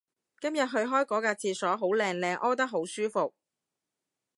今日去開嗰格廁所好靚靚屙得好舒服